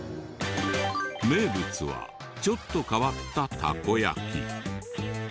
名物はちょっと変わったタコ焼き。